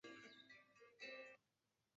作词及作曲时会使用本名巽明子。